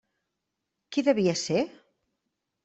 Qui devia ser?